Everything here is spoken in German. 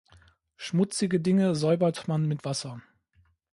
Schmutzige Dinge säubert man mit Wasser.